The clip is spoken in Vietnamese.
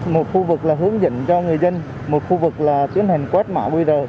một khu vực là hướng dẫn cho người dân một khu vực là tiến hành quét mã qr